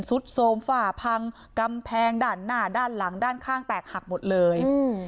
โทรมฝ่าพังกำแพงด้านหน้าด้านหลังด้านข้างแตกหักหมดเลย